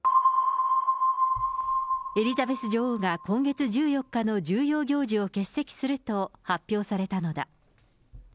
エリザベス女王が、今月１４日の重要行事を欠席すると発表されたのだ。